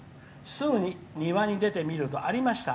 すぐに庭に出てみるとありました。